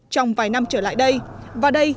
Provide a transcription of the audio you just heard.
trong vài năm trở lại đây và đây